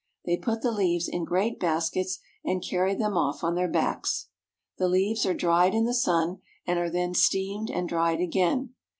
They put the leaves in great baskets and carry them off on their backs. The leaves are dried in the sun, and are then steamed and dried again.